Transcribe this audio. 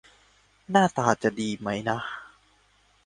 หน้าตาจะดีไหมนะ